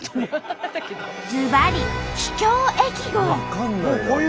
ずばり「秘境駅号」。